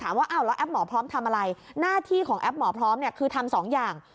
ว่าอ้าวแล้วแอปหมอพร้อมทำอะไรหน้าที่ของแอปหมอพร้อมเนี่ยคือทำสองอย่าง